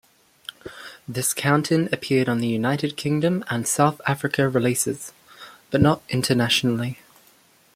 This count-in appeared on the United Kingdom and South Africa releases, but not internationally.